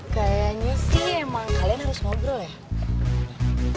kayaknya sih emang kalian harus ngobrol ya